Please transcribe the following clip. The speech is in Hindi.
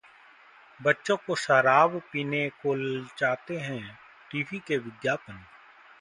बच्चों को शराब पीने को ललचाते हैं टीवी के विज्ञापन